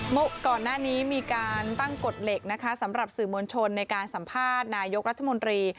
ก่อนหน้านี้มีการตั้งกฎเหล็กนะคะสำหรับสื่อมวลชนในการสัมภาษณ์นายกรัฐมนตรี